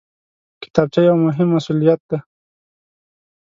کتابچه یو مهم مسؤلیت دی